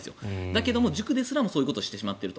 だけど、塾ですらそういうことをしてしまっている。